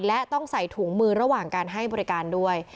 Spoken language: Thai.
และต้องใส่ถุงมือระหว่างการให้บริการด้วย